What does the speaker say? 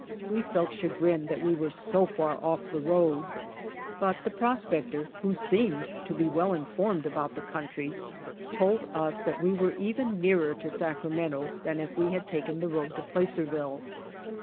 We felt chagrined that we were so far off the road. But the prospector, who seemed to be well informed about the country, told us that we were even nearer to Sacramento than if we had taken the road to Placerville.